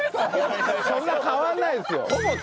そんな変わらないですよ。